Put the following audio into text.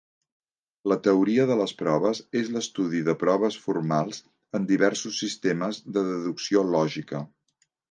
La teoria de les proves és l'estudi de proves formals en diversos sistemes de deducció lògica.